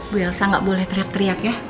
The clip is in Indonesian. bu elsa gak boleh teriak teriak ya